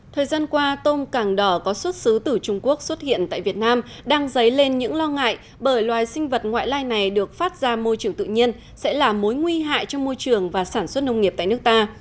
thời gian qua tôm càng đỏ có xuất xứ từ trung quốc xuất hiện tại việt nam đang dấy lên những lo ngại bởi loài sinh vật ngoại lai này được phát ra môi trường tự nhiên sẽ là mối nguy hại cho môi trường và sản xuất nông nghiệp tại nước ta